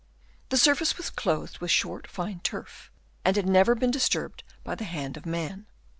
The surface was clothed with short, fine turf, and had never been disturbed by the hand of man.